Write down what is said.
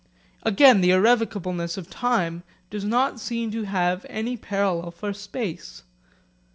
Again the irrevocableness of time does not seem to have any parallel for space.